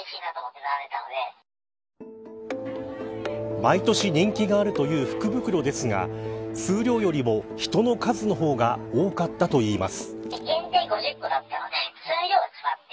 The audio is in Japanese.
毎年人気があるという福袋ですが数量よりも人の数の方が多かったといいます。